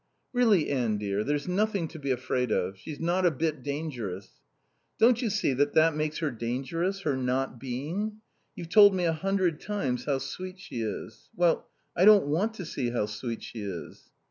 "Really, Anne dear, there's nothing to be afraid of. She's not a bit dangerous." "Don't you see that that makes her dangerous, her not being? You've told me a hundred times how sweet she is. Well I don't want to see how sweet she is."